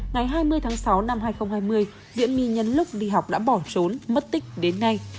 ngày hai mươi tháng sáu năm hai nghìn hai mươi diễm my nhấn lúc đi học đã bỏ trốn mất tích đến ngay